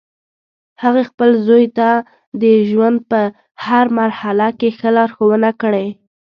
هغې خپل زوی ته د ژوند په هر مرحله کې ښه لارښوونه کړی